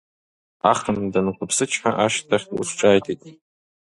Ахынтә данқәыԥсычҳа ашьҭахь ус ҿааиҭит…